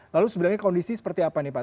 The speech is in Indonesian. lalu sebenarnya kondisi seperti apa nih pak